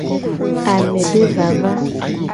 Ame be vava.